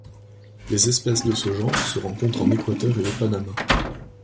Les espèces de ce genre se rencontrent en Équateur et au Panama.